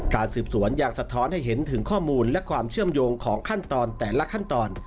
การสืบสวนยังสะท้อนให้เห็นถึงข้อมูลและความเชื่อมโยงของขั้นตอนแต่ละขั้นตอน